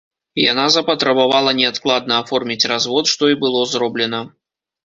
Яна запатрабавала неадкладна аформіць развод, што і было зроблена.